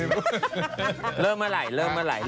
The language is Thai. เริ่มเมื่อไหร่เริ่มเมื่อไหร่เริ่มเมื่อไหร่